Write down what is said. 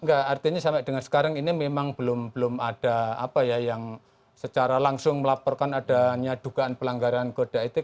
enggak artinya sampai dengan sekarang ini memang belum ada apa ya yang secara langsung melaporkan adanya dugaan pelanggaran kode etik